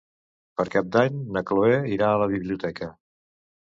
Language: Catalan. Per Cap d'Any na Chloé irà a la biblioteca.